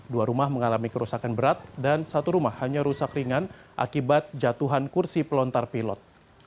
dua rumah mengalami kerusakan berat dan satu rumah hanya rusak ringan akibat jatuhan kursi pelontar pilot